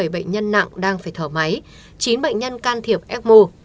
ba trăm hai mươi bảy bệnh nhân nặng đang phải thở máy chín bệnh nhân can thiệp ecmo